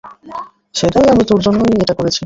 সেটাই, আমি তোর জন্যই এটা করেছি।